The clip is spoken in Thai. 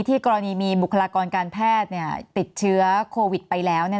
กรณีมีบุคลากรการแพทย์ติดเชื้อโควิดไปแล้ว